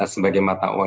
sebagai mata uang